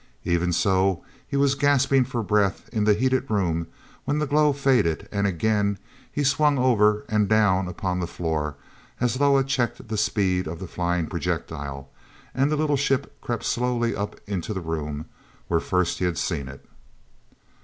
Even so, he was gasping for breath in the heated room when the glow faded and again he swung over and down upon the floor as Loah checked the speed of the flying projectile and the little ship crept slowly up into the room where first he had seen it.